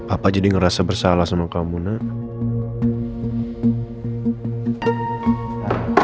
apa jadi ngerasa bersalah sama kamu nak